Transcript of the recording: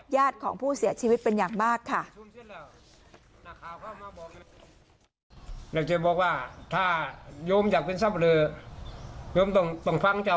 ญาติของผู้เสียชีวิตเป็นอย่างมากค่ะ